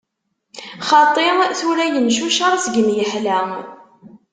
Xaṭi, tura yencucer segmi yeḥla.